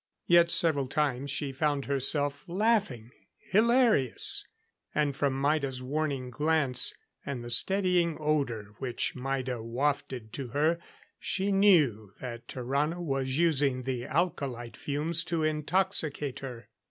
Yet several times she found herself laughing hilarious; and from Maida's warning glance, and the steadying odor which Maida wafted to her, she knew that Tarrano was using the alcholite fumes to intoxicate her.